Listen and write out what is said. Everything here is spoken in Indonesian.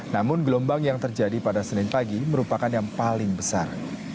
namun gelombang yang terjadi pada senin pagi merupakan yang paling besar